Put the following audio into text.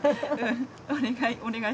お願い